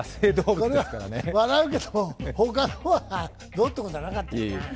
笑うけど、ほかのは、どうってことなかったね。